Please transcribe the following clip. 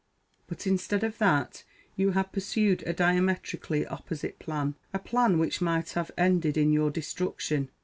But, instead of that, you have pursued a diametrically opposite plan: a plan which might have ended in your destruction!